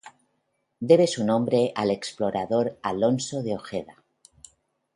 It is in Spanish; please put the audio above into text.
Debe su nombre al explorador Alonso de Ojeda.